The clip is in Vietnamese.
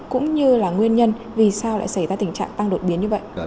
cũng như là nguyên nhân vì sao lại xảy ra tình trạng tăng đột biến như vậy